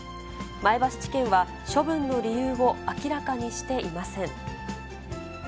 前橋地検は、処分の理由を明らかにしていません。